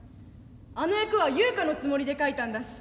あの役はユウカのつもりで書いたんだし。